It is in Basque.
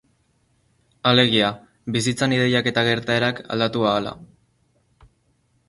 Alegia, bizitzan ideiak eta gertaerak aldatu ahala...